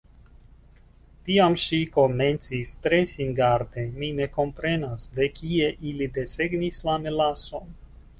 Tiam ŝi komencis tre singarde: "Mi ne komprenas. De kie ili desegnis la melason?"